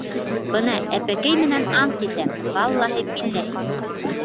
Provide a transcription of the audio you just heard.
Бына, әпәкәй менән ант итәм, валлаһи-билләһи.